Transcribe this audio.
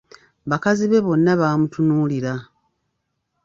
Bakazi be bonna baamutunuulira.